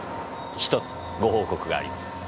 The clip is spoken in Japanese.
１つご報告があります。